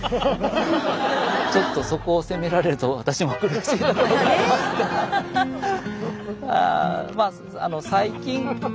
ちょっとそこを責められると私も苦しいところがありますけど。